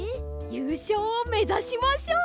ゆうしょうをめざしましょう！